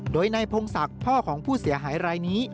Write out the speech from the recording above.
โดยนายพงศักดิ์พ่อของผู้เสียหายรายนี้